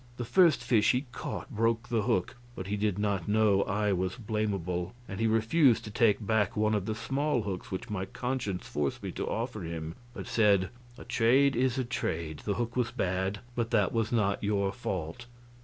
The first fish he caught broke the hook, but he did not know I was blamable, and he refused to take back one of the small hooks which my conscience forced me to offer him, but said, "A trade is a trade; the hook was bad, but that was not your fault."